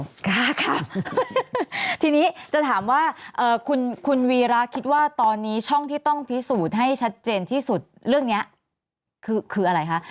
ค่ะทีนี้จะถามว่าคุณวีระคิดว่าตอนนี้ช่องที่ต้องพิสูจน์ให้ชัดเจนที่สุดเรื่องนี้คืออะไรคะ